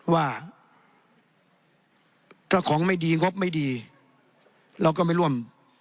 ว่าถ้าของไม่ดีงบไม่ดีเราก็ไม่ร่วม